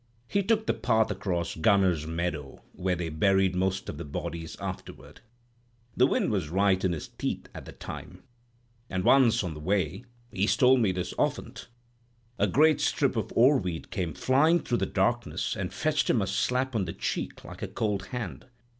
He took the path across Gunner's Meadow—where they buried most of the bodies afterward. The wind was right in his teeth at the time, and once on the way (he's told me this often) a great strip of oarweed came flying through the darkness and fetched him a slap on the cheek like a cold hand.